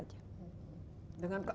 dengan keamanannya yang super